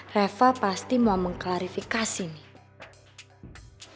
reva pasti mau mengklarifikasi nih